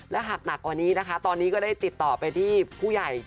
และหากหนักกว่านี้นะคะตอนนี้ก็ได้ติดต่อไปที่ผู้ใหญ่